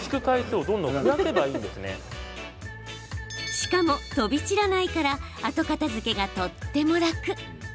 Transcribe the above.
しかも飛び散らないから後片づけが、とっても楽！